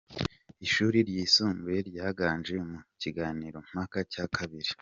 Ishuri ryisumbuye ryaganje mu kiganirompaka cya kabiri